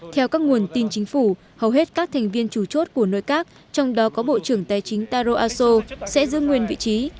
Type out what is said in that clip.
theo các nguồn tin chính phủ hầu hết các thành viên chủ chốt của nội các trong đó có bộ trưởng tài chính taro aso sẽ giữ nguyên vị trí